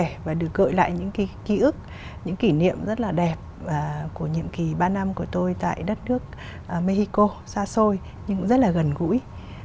được chia sẻ và được gợi lại những ký ức những kỉ niệm rất là đẹp của nhiệm kỳ ba năm của tôi tại đất nước mexico xa xôi nhưng cũng rất là gần gũi